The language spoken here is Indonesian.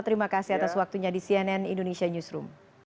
terima kasih atas waktunya di cnn indonesia newsroom